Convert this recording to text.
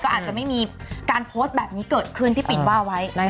อาจจะไม่มีการโพสต์แบบนี้เกิดขึ้นที่ปิดว่าไว้